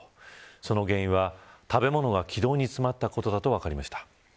その原因は、食べ物が気道に詰まったことだと分かりました。